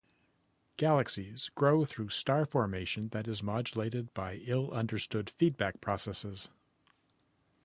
Galaxies grow through star formation that is modulated by ill-understood feedback processes.